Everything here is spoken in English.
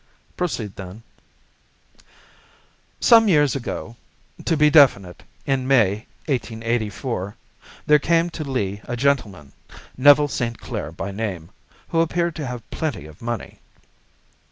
"Proceed, then." "Some years ago—to be definite, in May, 1884—there came to Lee a gentleman, Neville St. Clair by name, who appeared to have plenty of money.